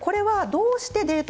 どうしてデート